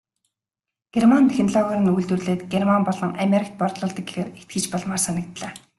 Герман технологиор нь үйлдвэрлээд Герман болон Америкт борлуулдаг гэхээр итгэж болмоор санагдлаа.